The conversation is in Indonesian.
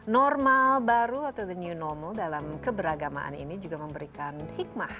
normal baru atau the new normal dalam keberagamaan ini juga memberikan hikmah